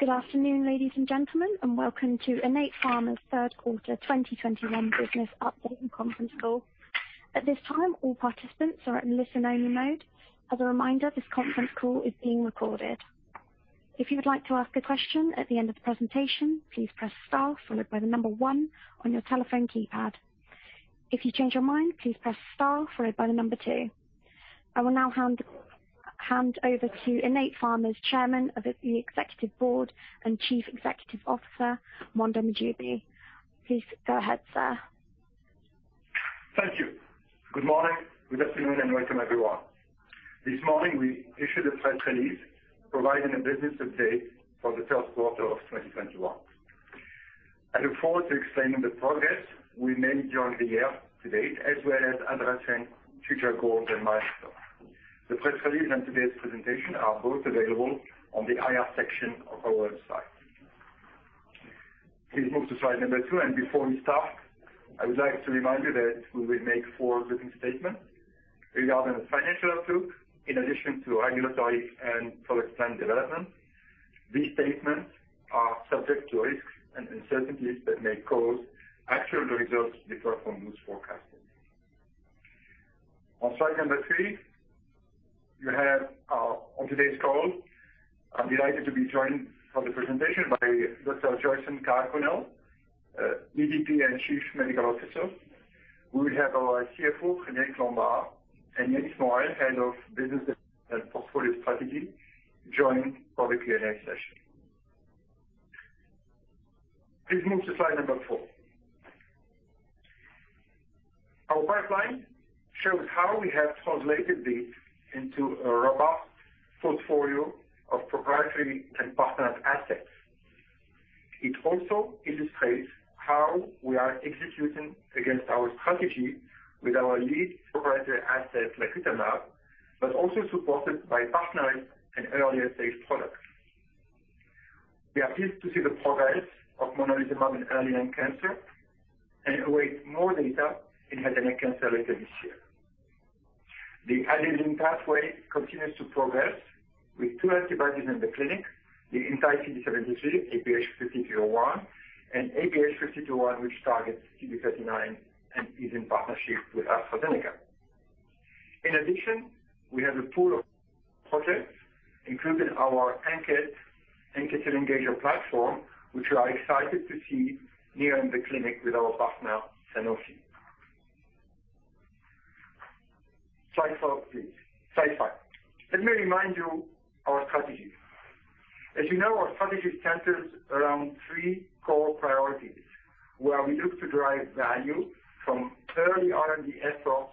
Good afternoon, ladies and gentlemen, and welcome to Innate Pharma's third quarter 2021 business update and conference call. At this time, all participants are in listen-only mode. As a reminder, this conference call is being recorded. If you would like to ask a question at the end of the presentation, please press star followed by the number 1 on your telephone keypad. If you change your mind, please press star followed by the number 2. I will now hand over to Innate Pharma's Chairman of the Executive Board and Chief Executive Officer, Mondher Mahjoubi. Please go ahead, sir. Thank you. Good morning, good afternoon, and welcome, everyone. This morning we issued a press release providing a business update for the third quarter of 2021. I look forward to explaining the progress we made during the year to date as well as addressing future goals and milestones. The press release and today's presentation are both available on the IR section of our website. Please move to slide number 2. Before we start, I would like to remind you that we will make forward-looking statements regarding the financial outlook in addition to regulatory and product plan development. These statements are subject to risks and uncertainties that may cause actual results to differ from those forecasted. On slide number 3, on today's call, I'm delighted to be joined for the presentation by Dr. Joyson Karakunnel, EVP and Chief Medical Officer. We have our CFO, Frédéric Lombard, and Yannis Morel, Head of Business Development & Portfolio Strategy, joining for the Q&A session. Please move to slide 4. Our pipeline shows how we have translated this into a robust portfolio of proprietary and partnered assets. It also illustrates how we are executing against our strategy with our lead proprietary asset, lacutamab, but also supported by partnering and earlier-stage products. We are pleased to see the progress of monalizumab in early lung cancer and await more data in head and neck cancer later this year. The adenosine pathway continues to progress with two antibodies in the clinic, the anti-CD73 oleclumab and IPH5201, which targets CD39 and is in partnership with AstraZeneca. In addition, we have a pool of projects, including our ANKET NK cell engager platform, which we are excited to see it enter the clinic with our partner, Sanofi. Slide four, please. Slide five. Let me remind you of our strategy. As you know, our strategy centers around three core priorities, where we look to drive value from early R&D efforts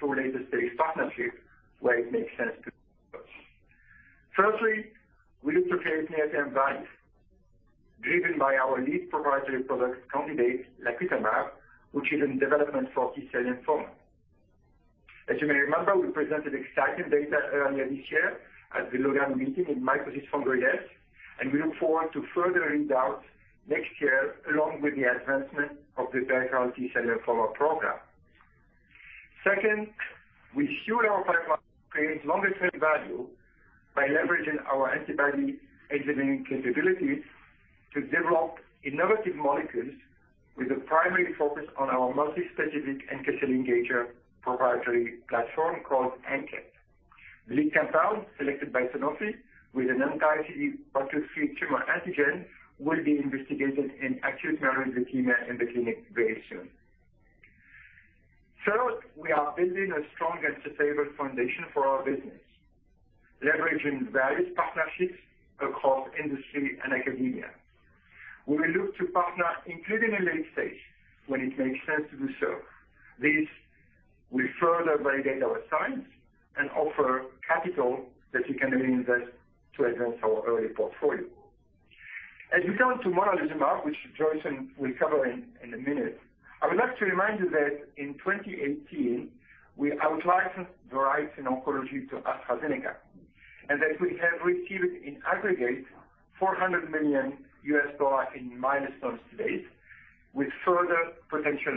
through later-stage partnerships where it makes sense to do so. Firstly, we look to create near-term value driven by our lead proprietary product candidate, lacutamab, which is in development for T-cell lymphoma. As you may remember, we presented exciting data earlier this year at the Lugano meeting on mycosis fungoides, and we look forward to further readouts next year along with the advancement of the broader T-cell lymphoma program. Second, we fuel our pipeline to create longer-term value by leveraging our antibody engineering capabilities to develop innovative molecules with a primary focus on our multi-specific NK cell engager proprietary platform called ANKET. The lead compound selected by Sanofi with an anti-CD123 tumor antigen will be investigated in acute myeloid leukemia in the clinic very soon. Third, we are building a strong and sustainable foundation for our business, leveraging various partnerships across industry and academia. We will look to partner, including in late stage, when it makes sense to do so. This will further validate our science and offer capital that we can then invest to advance our early portfolio. As we come to monalizumab, which Joyson will cover in a minute, I would like to remind you that in 2018, we out-licensed the rights in oncology to AstraZeneca, and that we have received in aggregate $400 million in milestones to date, with further potential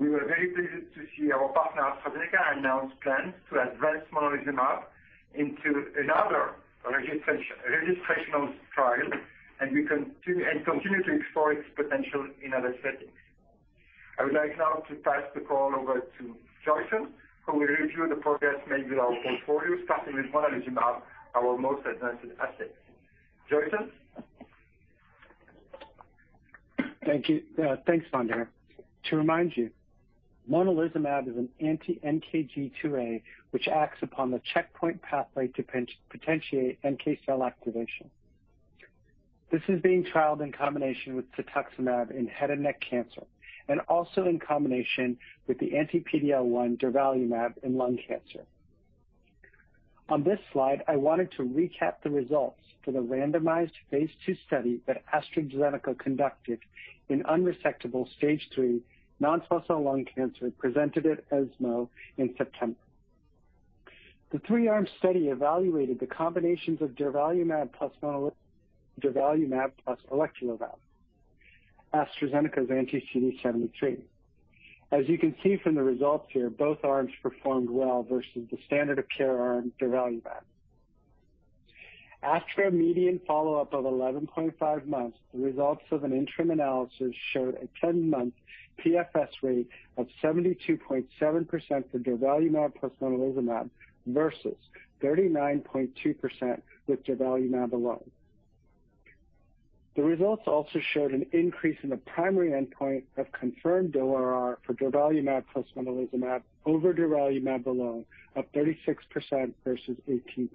milestones due. We were very pleased to see our partner, AstraZeneca, announce plans to advance monalizumab into another registrational trial, and we continue to explore its potential in other settings. I would like now to pass the call over to Joyson, who will review the progress made with our portfolio, starting with monalizumab, our most advanced asset. Joyson? Thank you. Thanks, Monde. To remind you, monalizumab is an anti-NKG2A, which acts upon the checkpoint pathway to potentiate NK cell activation. This is being trialed in combination with cetuximab in head and neck cancer and also in combination with the anti-PD-L1 durvalumab in lung cancer. On this slide, I wanted to recap the results for the randomized phase II study that AstraZeneca conducted in unresectable stage III non-small cell lung cancer presented at ESMO in September. The three-arm study evaluated the combinations of durvalumab plus mono, durvalumab plus oleclumab, AstraZeneca's anti-CD73. As you can see from the results here, both arms performed well versus the standard of care arm durvalumab. After a median follow-up of 11.5 months, the results of an interim analysis showed a 10-month PFS rate of 72.7% for durvalumab plus monalizumab versus 39.2% with durvalumab alone. The results also showed an increase in the primary endpoint of confirmed ORR for durvalumab plus monalizumab over durvalumab alone of 36% versus 18%.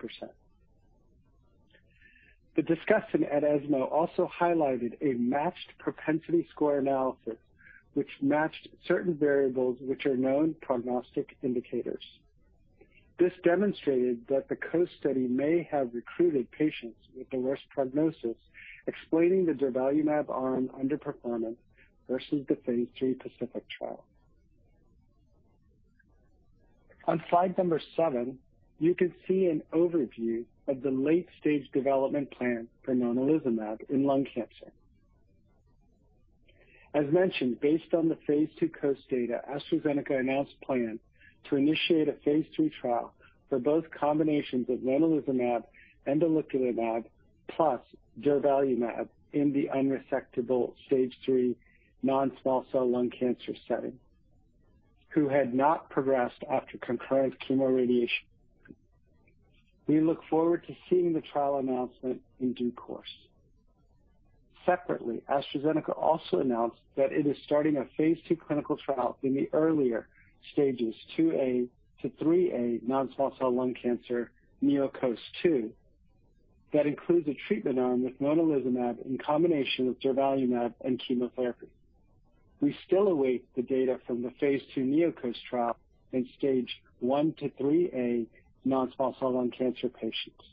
The discussion at ESMO also highlighted a matched propensity score analysis, which matched certain variables which are known prognostic indicators. This demonstrated that the COAST study may have recruited patients with the worst prognosis, explaining the durvalumab arm underperformance versus the phase III PACIFIC trial. On slide number 7, you can see an overview of the late-stage development plan for monalizumab in lung cancer. As mentioned, based on the phase II COAST data, AstraZeneca announced plan to initiate a phase III trial for both combinations of monalizumab and oleclumab plus durvalumab in the unresectable stage III non-small cell lung cancer setting, who had not progressed after concurrent chemoradiation. We look forward to seeing the trial announcement in due course. Separately, AstraZeneca also announced that it is starting a phase II clinical trial in the earlier stages, IIA to IIIA non-small cell lung cancer NeoCOAST-2, that includes a treatment arm with monalizumab in combination with durvalumab and chemotherapy. We still await the data from the phase II NeoCOAST trial in stage I to IIIA non-small cell lung cancer patients.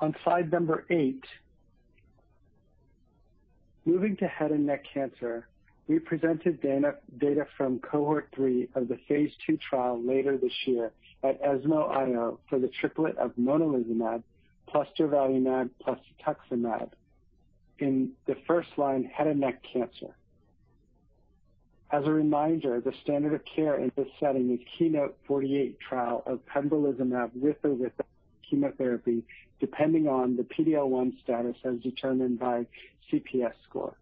On slide number 8. Moving to head and neck cancer, we presented data from cohort 3 of the phase II trial later this year at ESMO IO for the triplet of monalizumab plus durvalumab plus cetuximab in the first-line head and neck cancer. As a reminder, the standard of care in this setting is KEYNOTE-048 trial of pembrolizumab with or without chemotherapy, depending on the PD-L1 status as determined by CPS score.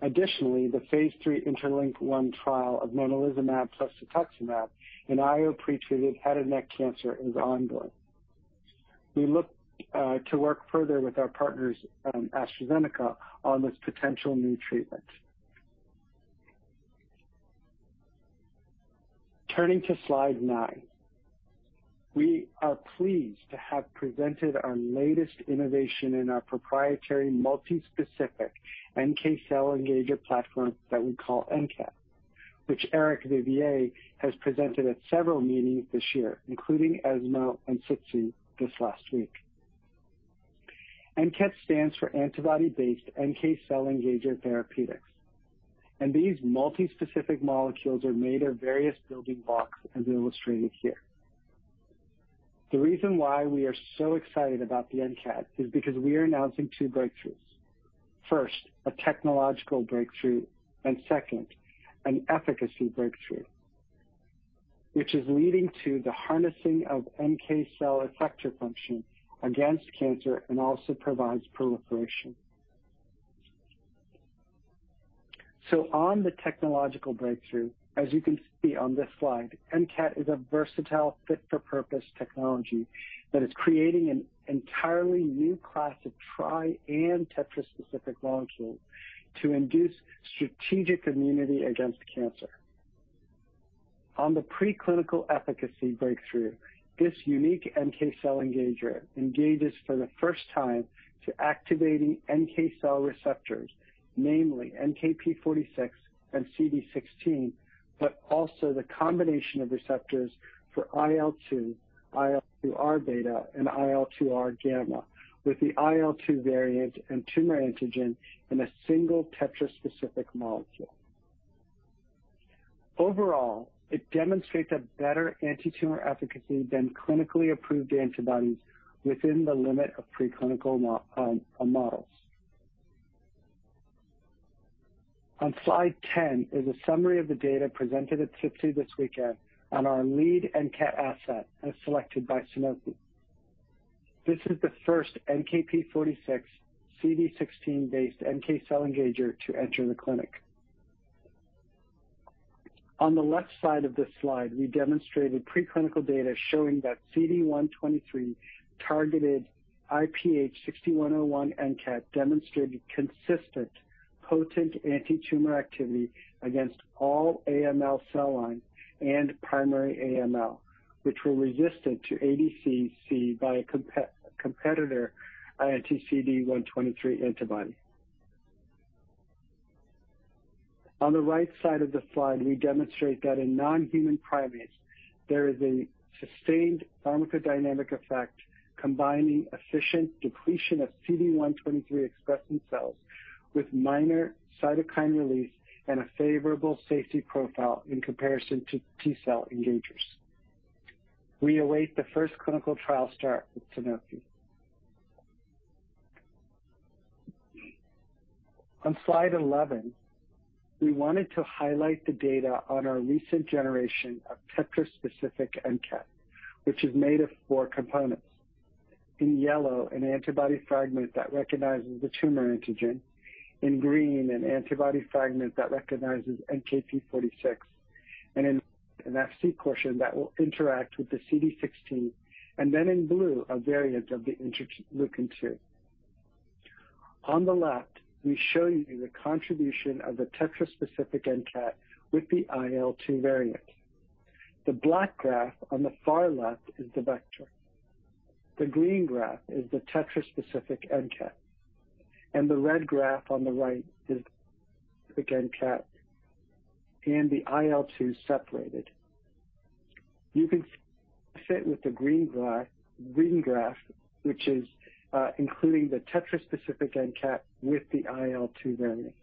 The phase III INTERLINK-1 trial of monalizumab plus cetuximab in IO-pretreated head and neck cancer is ongoing. We look to work further with our partners from AstraZeneca on this potential new treatment. Turning to slide 9. We are pleased to have presented our latest innovation in our proprietary multi-specific NK cell engager platform that we call ANKET, which Eric Vivier has presented at several meetings this year, including ESMO and SITC this last week. ANKET stands for Antibody-based NK Cell Engager Therapeutics, and these multi-specific molecules are made of various building blocks, as illustrated here. The reason why we are so excited about the ANKET is because we are announcing two breakthroughs. First, a technological breakthrough, and second, an efficacy breakthrough, which is leading to the harnessing of NK cell effector function against cancer and also provides proliferation. On the technological breakthrough, as you can see on this slide, ANKET is a versatile fit-for-purpose technology that is creating an entirely new class of tri and tetra-specific molecules to induce strategic immunity against cancer. On the pre-clinical efficacy breakthrough, this unique NK cell engager engages for the first time to activating NK cell receptors, namely NKp46 and CD16, but also the combination of receptors for IL-2, IL-2R beta, and IL-2R gamma, with the IL-2 variant and tumor antigen in a single tetra-specific molecule. Overall, it demonstrates a better antitumor efficacy than clinically approved antibodies within the limit of pre-clinical models. On slide 10 is a summary of the data presented at SITC this weekend on our lead ANKET asset as selected by Sanofi. This is the first NKp46, CD16-based NK cell engager to enter the clinic. On the left side of this slide, we demonstrated preclinical data showing that CD123-targeted IPH6101 ANKET demonstrated consistent potent antitumor activity against all AML cell lines and primary AML, which were resistant to ADCC by a competitor anti-CD123 antibody. On the right side of the slide, we demonstrate that in nonhuman primates, there is a sustained pharmacodynamic effect combining efficient depletion of CD123 expressing cells with minor cytokine release and a favorable safety profile in comparison to T-cell engagers. We await the first clinical trial start with Sanofi. On slide 11, we wanted to highlight the data on our recent generation of tetra-specific ANKET, which is made of four components. In yellow, an antibody fragment that recognizes the tumor antigen. In green, an antibody fragment that recognizes NKp46, and in an Fc portion that will interact with the CD16. Then in blue, a variant of the interleukin two. On the left, we show you the contribution of the tetra-specific ANKET with the IL-2 variant. The black graph on the far left is the vector. The green graph is the tetra-specific ANKET. The red graph on the right is the ANKET and the IL-2 separated. You can fit with the green graph, which is including the tetra-specific ANKET with the IL-2 variant.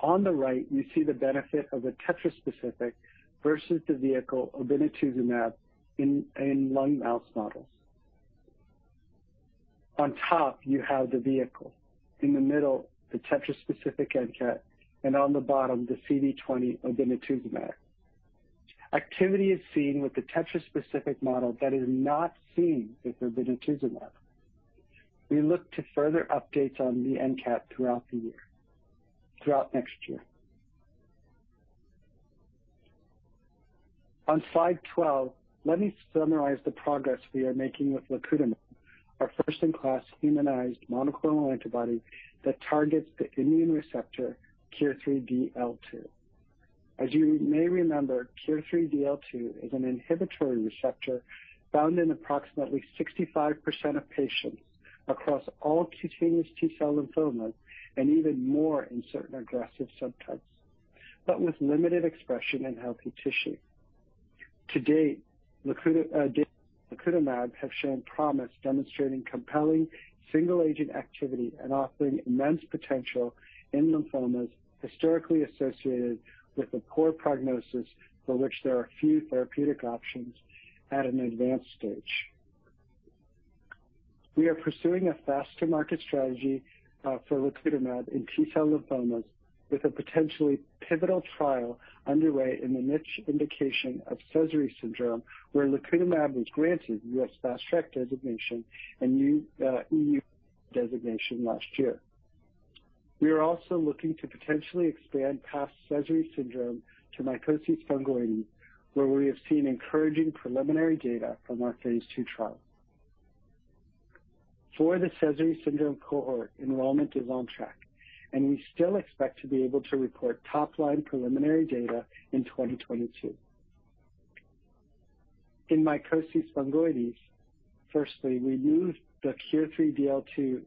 On the right, you see the benefit of a tetra-specific versus the vehicle obinutuzumab in lung mouse models. On top, you have the vehicle. In the middle, the tetra-specific ANKET, and on the bottom the CD20 obinutuzumab. Activity is seen with the tetra-specific model that is not seen with obinutuzumab. We look to further updates on the ANKET throughout next year. On slide 12, let me summarize the progress we are making with lacutamab, our first-in-class humanized monoclonal antibody that targets the immune receptor KIR3DL2. As you may remember, KIR3DL2 is an inhibitory receptor found in approximately 65% of patients across all cutaneous T-cell lymphomas and even more in certain aggressive subtypes, but with limited expression in healthy tissue. To date, lacutamab has shown promise, demonstrating compelling single agent activity and offering immense potential in lymphomas historically associated with a poor prognosis for which there are few therapeutic options at an advanced stage. We are pursuing a faster market strategy for lacutamab in T-cell lymphomas with a potentially pivotal trial underway in the niche indication of Sézary syndrome, where lacutamab was granted US Fast Track designation and EU designation last year. We are also looking to potentially expand past Sézary syndrome to mycosis fungoides, where we have seen encouraging preliminary data from our phase II trial. For the Sézary syndrome cohort, enrollment is on track, and we still expect to be able to report top-line preliminary data in 2022. In mycosis fungoides, firstly, we moved the KIR3DL2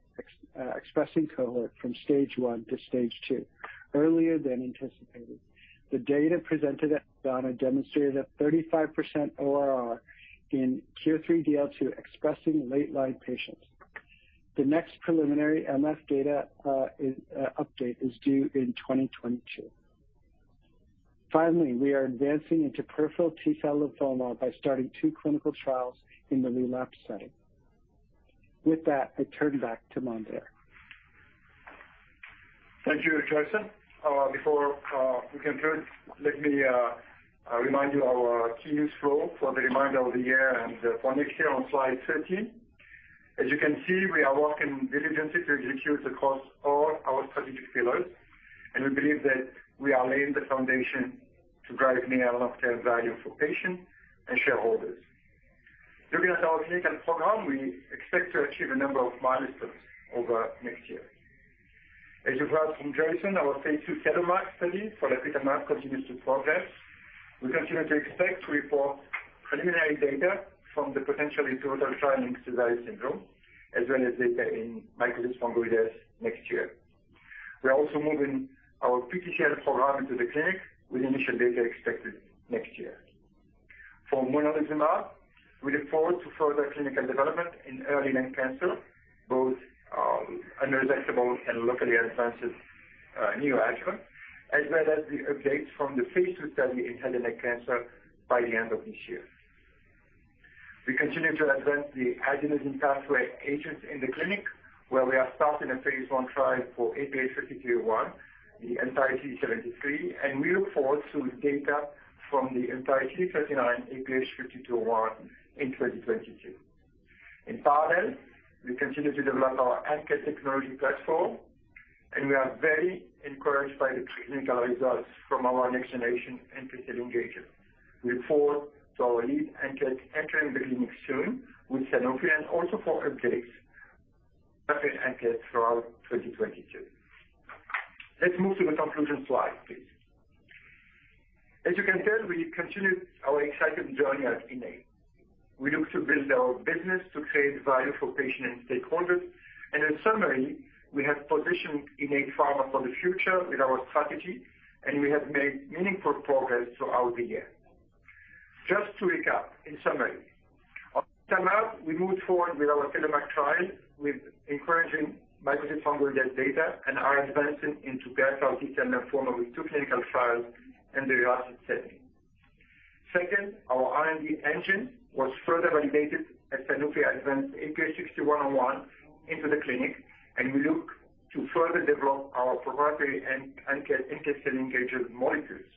expressing cohort from stage 1 to stage 2 earlier than anticipated. The data presented at ASCO demonstrated a 35% ORR in KIR3DL2 expressing late-line patients. The next preliminary MF data update is due in 2022. Finally, we are advancing into peripheral T-cell lymphoma by starting two clinical trials in the relapsed setting. With that, I turn back to Mondher. Thank you, Joyson. Before we conclude, let me remind you our key news flow for the remainder of the year and for next year on slide 13. As you can see, we are working diligently to execute across all our strategic pillars. We believe that we are laying the foundation to drive near and long-term value for patients and shareholders. Looking at our clinical program, we expect to achieve a number of milestones over next year. As you've heard from Joyson, our phase II TELLOMAK study for lacutamab continues to progress. We continue to expect to report preliminary data from the potentially pivotal trial in Sézary syndrome, as well as data in mycosis fungoides next year. We are also moving our PTCL program into the clinic, with initial data expected next year. For monalizumab, we look forward to further clinical development in early lung cancer, both unresectable and locally advanced neoadjuvant, as well as the updates from the phase II study in head and neck cancer by the end of this year. We continue to advance the adenosine pathway agents in the clinic, where we are starting a phase I trial for IPH5201, the anti-CD73, and we look forward to data from the anti-CD39, IPH5201 in 2022. In parallel, we continue to develop our ANKET technology platform, and we are very encouraged by the preclinical results from our next-generation anti-CD123 engager. We look forward to our lead ANKET entering the clinic soon with Sanofi and also for updates on our ANKET throughout 2022. Let's move to the conclusion slide, please. As you can tell, we continue our exciting journey at Innate. We look to build our business to create value for patients and stakeholders. In summary, we have positioned Innate Pharma for the future with our strategy, and we have made meaningful progress throughout the year. Just to recap. First up, we moved forward with our TELLOMAK trial with encouraging mycosis fungoides data and are advancing lacutamab with two clinical trials in the United States. Second, our R&D engine was further validated as Sanofi advanced 443579 into the clinic, and we look to further develop our proprietary ANKET NK cell engager molecules.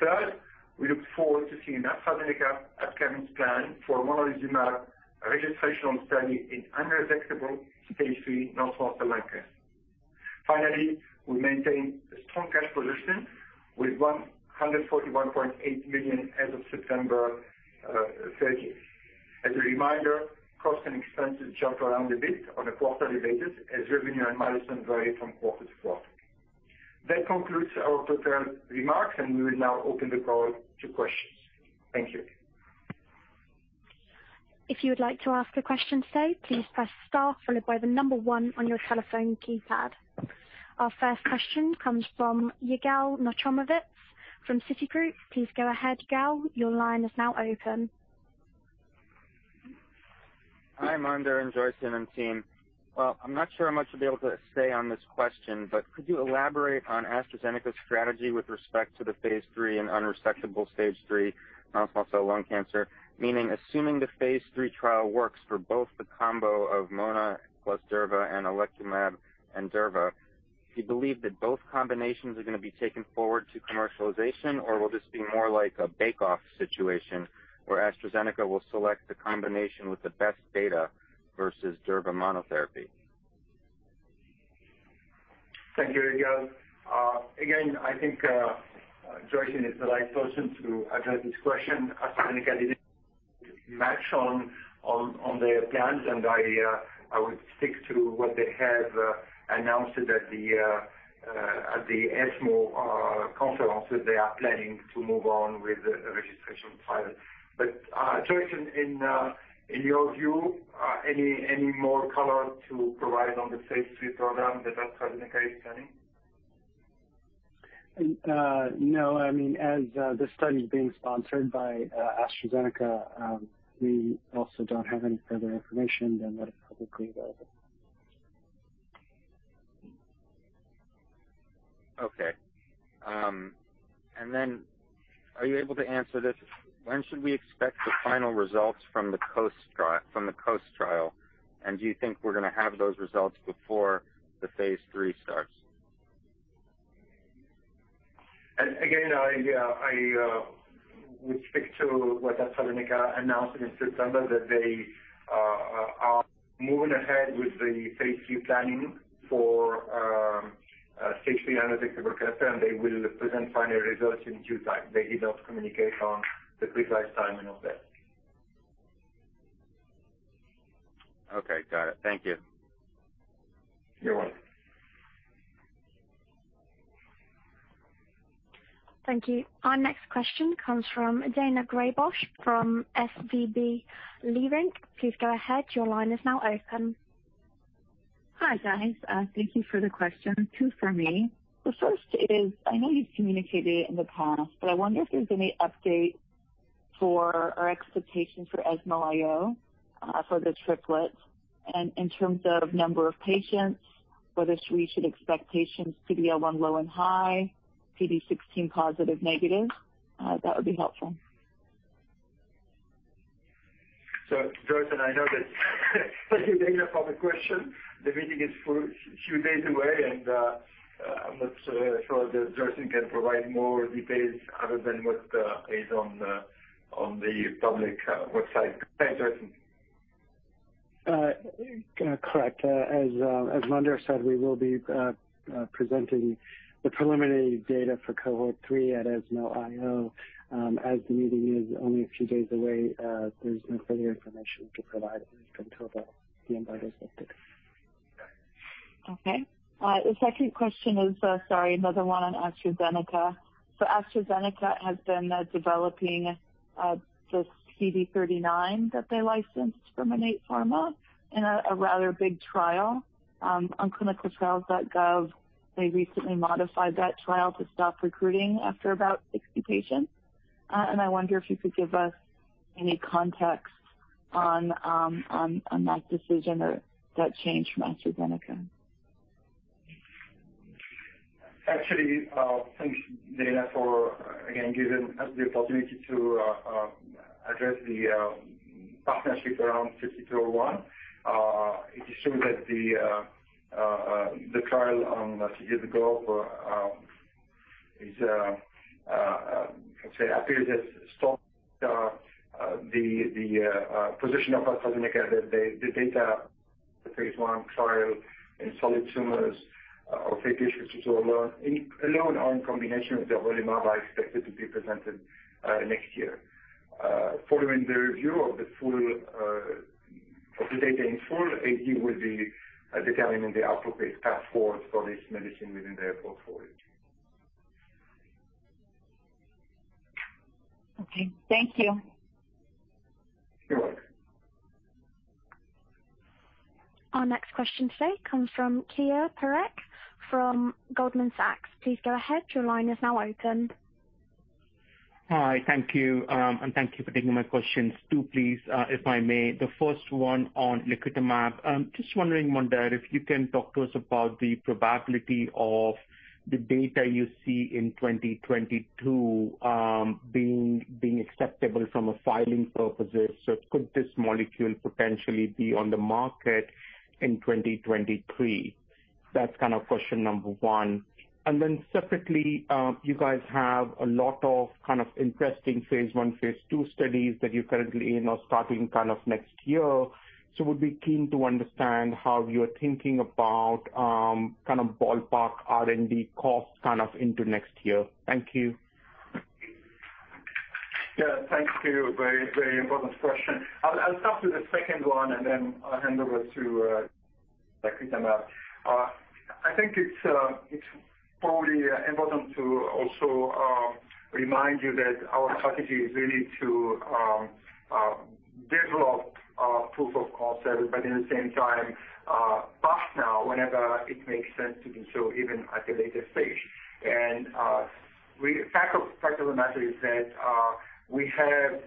Third, we look forward to seeing AstraZeneca's upcoming plan for monalizumab registrational study in unresectable stage III non-small cell lung cancer. Finally, we maintain a strong cash position with 141.8 million as of September thirtieth. As a reminder, costs and expenses jump around a bit on a quarterly basis as revenue and milestones vary from quarter to quarter. That concludes our prepared remarks, and we will now open the call to questions. Thank you. If you would like to ask a question, please press star followed by number one on your telephone keypad. Our first question comes from Yigal Nochomovitz from Citigroup. Please go ahead, Gal. Your line is now open. Hi, Mondher and Joyson and team. Well, I'm not sure how much you'll be able to say on this question, but could you elaborate on AstraZeneca's strategy with respect to the phase III and unresectable stage III non-small cell lung cancer? Meaning, assuming the phase III trial works for both the combo of Mona plus durva and oleclumab and durvalumab, do you believe that both combinations are going to be taken forward to commercialization, or will this be more like a bake-off situation where AstraZeneca will select the combination with the best data versus durvalumab monotherapy? Thank you, Yigal. Again, I think Joyson is the right person to address this question. AstraZeneca didn't match on their plans, and I would stick to what they have announced at the ESMO conference, that they are planning to move on with the registration file. Joyson, in your view, any more color to provide on the phase III program that AstraZeneca is planning? No. I mean, as the study is being sponsored by AstraZeneca, we also don't have any further information than what is publicly available. Okay. Are you able to answer this? When should we expect the final results from the COAST trial, and do you think we're going to have those results before the phase III starts? Again, I would stick to what AstraZeneca announced in September that they are moving ahead with the phase III planning for stage III unresectable cancer, and they will present final results in due time. They did not communicate on the precise timing of that. Okay. Got it. Thank you. You're welcome. Thank you. Our next question comes from Daina Graybosch from Leerink Partners. Please go ahead. Your line is now open. Hi, guys. Thank you for the question. Two for me. The first is, I know you've communicated it in the past, but I wonder if there's any update for our expectation for ESMO IO, for the triplets and in terms of number of patients, whether we should expect PD-L1 low and high, PD-1 positive negative. That would be helpful. Joyson and I know that. Thank you, Dana, for the question. The meeting is a few days away, and I'm not so sure that Joyson can provide more details other than what is on the public website. Thanks, Joyson. Correct. As Mondher said, we will be presenting the preliminary data for cohort three at ESMO IO. As the meeting is only a few days away, there's no further information to provide until the embargo is lifted. Okay. The second question is, sorry, another one on AstraZeneca. AstraZeneca has been developing the CD39 that they licensed from Innate Pharma in a rather big trial. On clinicaltrials.gov, they recently modified that trial to stop recruiting after about 60 patients. I wonder if you could give us any context on that decision or that change from AstraZeneca. Actually, thanks, Daina, for giving us the opportunity to address the partnership around IPH5201. It is true that the trial a few years ago, let's say, appears to have stopped. The position of AstraZeneca is that the data, the phase I trial in solid tumors, IPH5201 alone or in combination with oleclumab are expected to be presented next year. Following the review of the full data, AstraZeneca will be determining the appropriate path forward for this medicine within their portfolio. Okay. Thank you. You're welcome. Our next question today comes from Keyur Parekh from Goldman Sachs. Please go ahead. Your line is now open. Hi. Thank you. Thank you for taking my questions, two please, if I may. The first one on lacutamab. Just wondering, Mondher, if you can talk to us about the probability of the data you see in 2022, being acceptable from a filing purposes. Could this molecule potentially be on the market in 2023? That's kind of question number one. Separately, you guys have a lot of kind of interesting phase I, phase II studies that you're currently, you know, starting kind of next year. Would be keen to understand how you're thinking about, kind of ballpark R&D costs kind of into next year. Thank you. Yeah. Thank you. Very, very important question. I'll start with the second one, and then I'll hand over to Dr. Karakunnel. I think it's probably important to also remind you that our strategy is really to develop proof of concept, but at the same time, partner whenever it makes sense to do so, even at a later stage. Fact of the matter is that we have,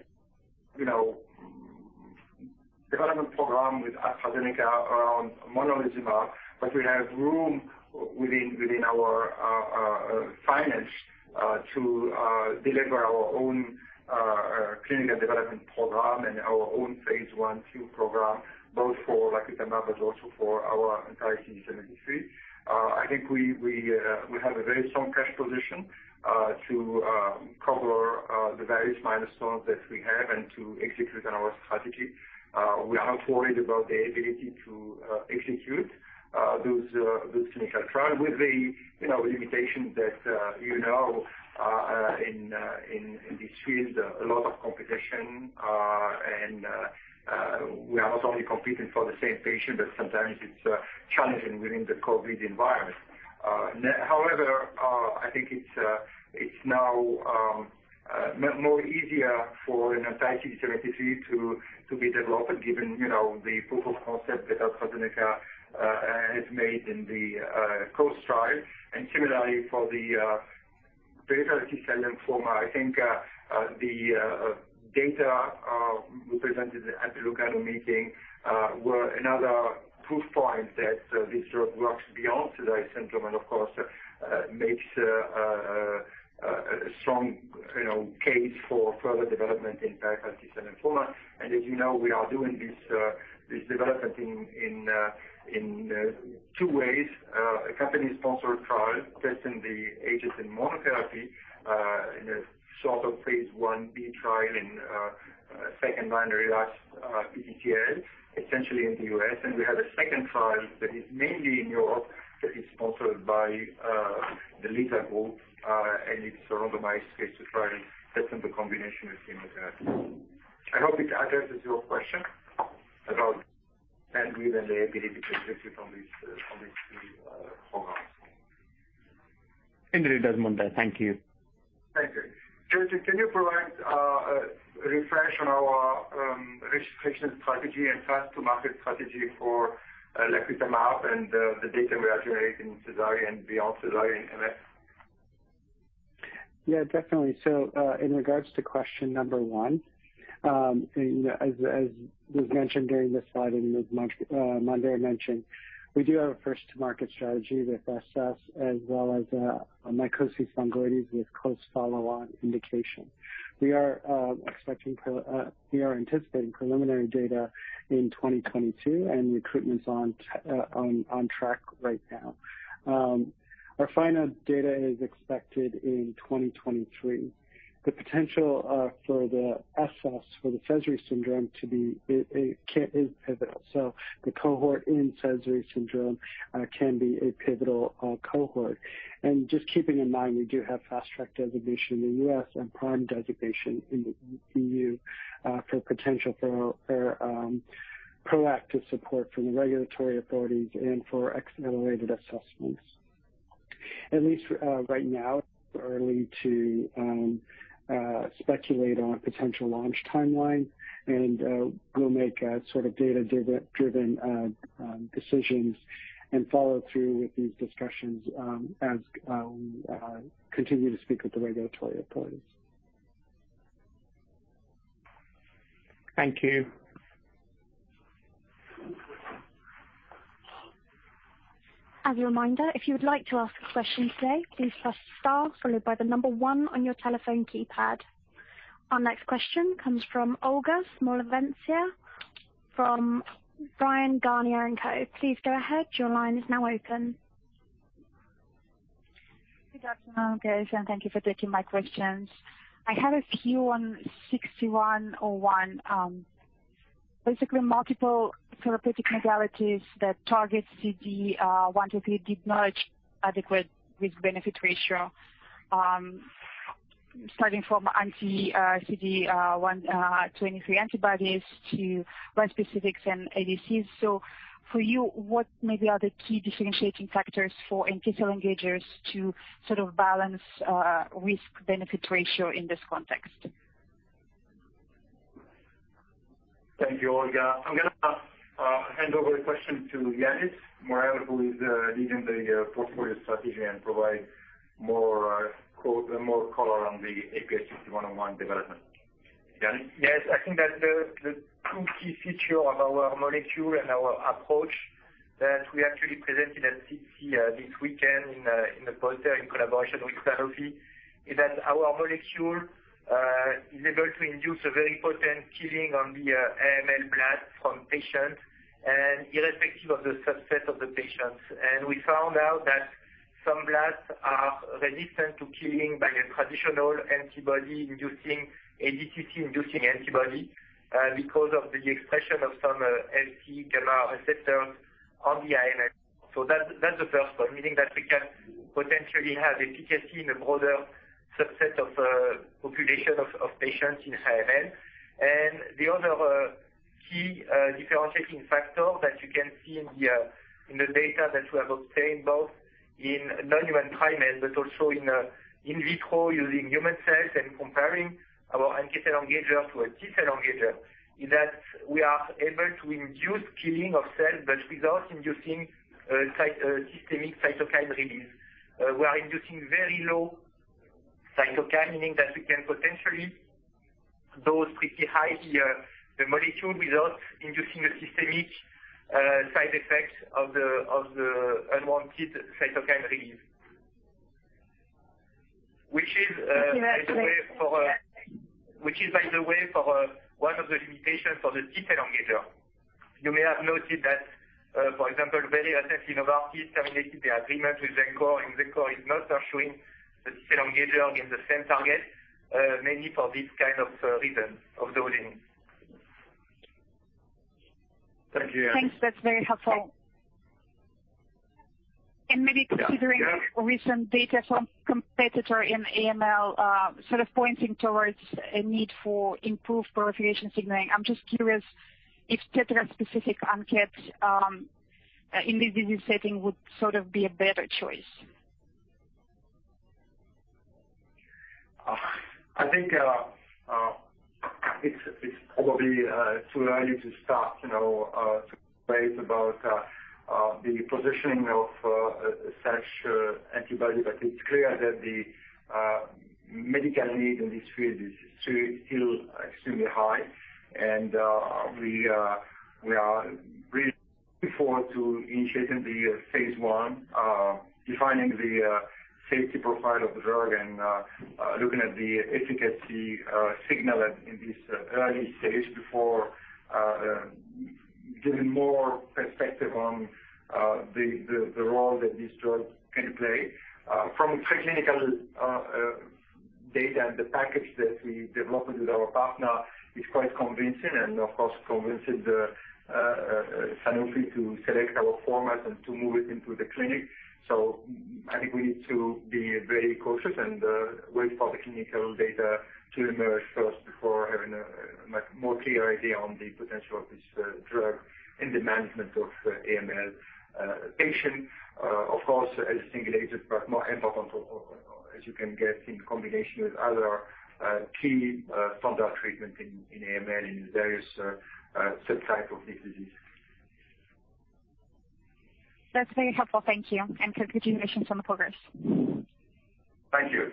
you know, development program with AstraZeneca around monalizumab, but we have room within our finances to deliver our own clinical development program and our own phase I, II program, both for lacutamab but also for our anti-CD73. I think we have a very strong cash position to cover the various milestones that we have and to execute on our strategy. We are not worried about the ability to execute those clinical trials with the limitations that you know in this field, a lot of competition. We are not only competing for the same patient, but sometimes it's challenging within the COVID environment. However, I think it's now more easier for an anti-CD73 to be developed given you know the proof of concept that AstraZeneca has made in the COAST trial. Similarly for the pediatric T-cell lymphoma, I think the data we presented at the Lugano meeting were another proof point that this drug works beyond Sézary syndrome and of course makes a strong, you know, case for further development in pediatric T-cell lymphoma. As you know, we are doing this development in two ways. A company-sponsored trial testing the agents in monotherapy in a sort of phase I-B trial in second-line relapse PTCL, essentially in the U.S. We have a second trial that is mainly in Europe that is sponsored by the LYSA group, and it's a randomized phase II trial testing the combination with immunotherapies. I hope it addresses your question about and within the ability to execute on these two programs. Indeed it does, Mondher. Thank you. Thank you. Sonia Quaratino, can you provide a refresh on our registration strategy and path to market strategy for lacutamab and the data we generate in Sézary and beyond Sézary in MF? Yeah, definitely. In regards to question number 1, you know, as was mentioned during the slide and as Mondher mentioned, we do have a first-to-market strategy with SS as well as mycosis fungoides with close follow-on indication. We are anticipating preliminary data in 2022, and recruitment's on track right now. Our final data is expected in 2023. The potential for the SS, for the Sézary syndrome to be a candidate is pivotal. The cohort in Sézary syndrome can be a pivotal cohort. Just keeping in mind, we do have Fast Track designation in the U.S. and PRIME designation in the EU for potential for proactive support from the regulatory authorities and for accelerated assessments. At least right now, it's too early to speculate on a potential launch timeline, and we'll make sort of data-driven decisions and follow through with these discussions as we continue to speak with the regulatory authorities. Thank you. As a reminder, if you would like to ask a question today, please press star followed by the number one on your telephone keypad. Our next question comes from Olga Smolentseva from Bryan, Garnier & Co. Please go ahead. Your line is now open. Good afternoon, guys, and thank you for taking my questions. I have a few on IPH6101. Basically multiple therapeutic modalities that target CD123 did not achieve adequate risk-benefit ratio. Starting from anti-CD123 antibodies to bispecifics and ADCs. For you, what maybe are the key differentiating factors for NK cell engagers to sort of balance risk-benefit ratio in this context? Thank you, Olga. I'm gonna hand over the question to Yannis Morel, who is leading the portfolio strategy and provide more color on the IPH6101 development. Yannis. Yes, I think that the two key feature of our molecule and our approach that we actually presented at SITC this weekend in the poster in collaboration with Sanofi is that our molecule is able to induce a very potent killing on the AML blood from patients and irrespective of the subset of the patients. We found out that some bloods are resistant to killing by a traditional antibody inducing ADCC antibody because of the expression of some Fc gamma receptor on the IM. That's the first one, meaning that we can potentially have efficacy in a broader subset of population of patients in AML. The other key differentiating factor that you can see in the data that we have obtained both in non-human primates, but also in vitro using human cells and comparing our NK cell engager to a T cell engager, is that we are able to induce killing of cells, but without inducing systemic cytokine release. We are inducing very low cytokine, meaning that we can potentially dose pretty high the molecule without inducing a systemic side effect of the unwanted cytokine release. Which is, by the way, one of the limitations for the T cell engager. You may have noted that, for example, very recently, Novartis terminated their agreement with Xencor, and Xencor is not pursuing the T cell engager in the same target, mainly for this kind of reason of dosing. Thank you, Yannis. Thanks. That's very helpful. Maybe considering. Yeah. Recent data from competitor in AML, sort of pointing towards a need for improved proliferation signaling. I'm just curious if tetra-specific NK cells, in this setting would sort of be a better choice. I think it's probably too early to start, you know, to debate about the positioning of such antibody. It's clear that the medical need in this field is still extremely high. We are really looking forward to initiating the phase I, defining the safety profile of the drug and looking at the efficacy signal in this early stage before giving more perspective on the role that these drugs can play. From preclinical data and the package that we developed with our partner is quite convincing and of course convincing Sanofi to select our format and to move it into the clinic. I think we need to be very cautious and wait for the clinical data to emerge first before having a much more clear idea on the potential of this drug in the management of AML patient. Of course, as single agent, but more important, as you can get in combination with other key standard treatment in AML in various subtype of this disease. That's very helpful. Thank you. Congratulations on the progress. Thank you.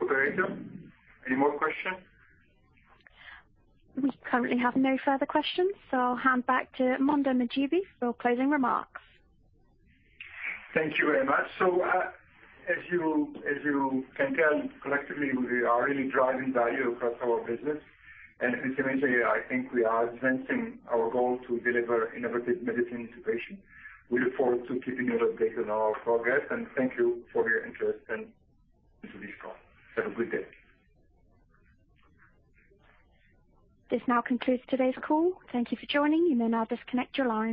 Operator, any more questions? We currently have no further questions, so I'll hand back to Mondher Mahjoubi for closing remarks. Thank you very much. As you can tell, collectively, we are really driving value across our business. Incrementally, I think we are advancing our goal to deliver innovative medicine to patients. We look forward to keeping you updated on our progress and thank you for your interest in Innate. Have a good day. This now concludes today's call. Thank you for joining. You may now disconnect your line.